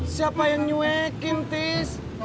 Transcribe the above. siapa yang cuekin tis